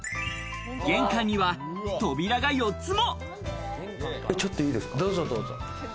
玄関には扉が４つも。